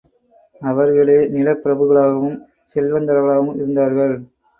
அவர்களே நிலப் பிரபுகளாகவும், செல்வந்தர்களாகவும் இருந்தார்கள்.